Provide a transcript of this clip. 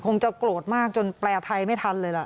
คงจะโกรธมากจนแปลไทยไม่ทันเลยล่ะ